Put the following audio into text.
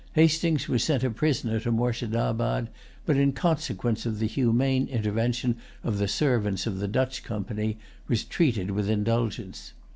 Hastings was sent a prisoner to Moorshedabad, but, in consequence of the humane intervention of the servants of the Dutch Company, was treated with indulgence.